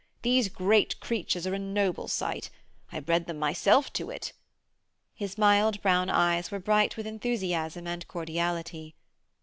These great creatures are a noble sight. I bred them myself to it.' His mild brown eyes were bright with enthusiasm and cordiality.